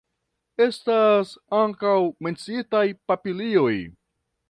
Estas ankaŭ menciitaj papilioj.